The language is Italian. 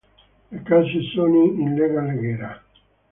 Le casse sono in lega leggera.